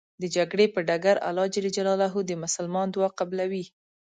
د جګړې په ډګر الله ج د مسلمان دعا قبلوی .